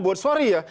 buat sorry ya